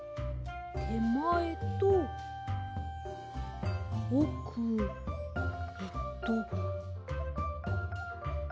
てまえとおくえっと。